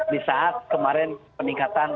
di saat kemarin peningkatan